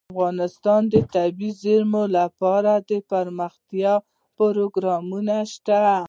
افغانستان کې د طبیعي زیرمې لپاره دپرمختیا پروګرامونه شته.